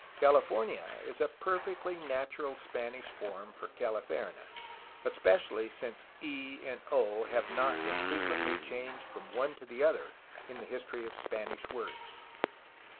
"Cal ifornia" is a perfectly natural Spanish form for "Calif erne," especially since "e" and "o" have not infrequently changed from one to the other in the history of Spanish words.